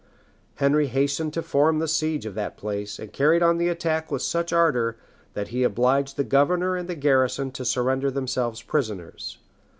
Henry hastened to form the siege of that place, and carried on the attack with such ardor, that he obliged the governor and garrison to surrender themselves prisoners.